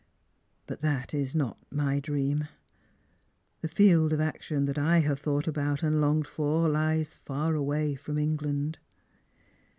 But that is not my dream. The field ot action that I have thought about and longed for lies far away from England."